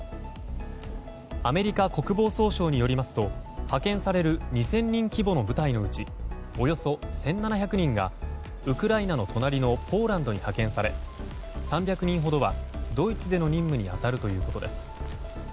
アメリカ国防総省によりますと派遣される２０００人規模の部隊のうち、およそ１７００人がウクライナの隣のポーランドに派遣され３００人ほどはドイツでの任務に当たるということです。